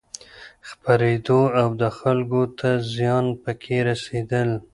خپرېدو او دخلکو ته زيان پکې رسېدل